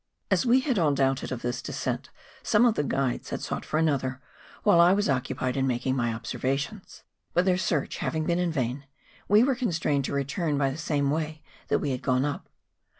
As we had all doubted of this descent some of the guides had sought for another while I was oc¬ cupied in making my observations ; but their search having been in vain, we were constrained to return by the same way that we had gone up.